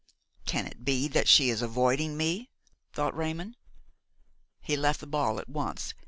"Can it be that she is avoiding me?" thought Raymon. He left the ball at once.